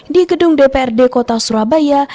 di gedung dprd kota surabaya